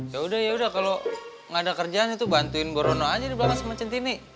ya udah ya udah kalau gak ada kerjaan itu bantuin borono aja di blancasemacintini